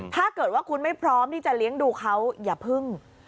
ถ้าเกิดว่าคุณไม่พร้อมที่จะเลี้ยงดูเขาอย่าพึ่ง